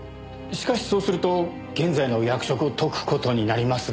しかしそうすると現在の役職を解く事になりますが。